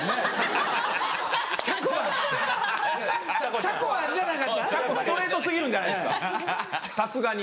ストレート過ぎるんじゃないですかさすがに。